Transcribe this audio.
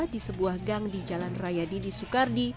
di sebuah gang di jalan raya didi soekardi